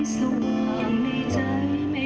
แสงธรรมฝากไว้สว่างในใจไม่เปลี่ยนแปรพันธุ์